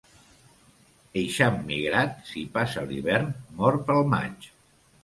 Eixam migrat, si passa l'hivern, mor pel maig.